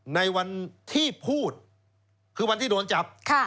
ในวันที่พูดคือวันที่โดนจับ